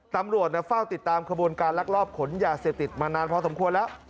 ตำรวจเฝ้าติดตามขบวนการลักลอบขนยาเสพติดมานานพอสมควรแล้ว